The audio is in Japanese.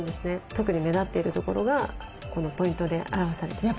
特に目立っているところがこのポイントで表されています。